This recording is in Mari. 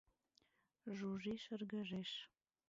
Жужи шыргыжеш.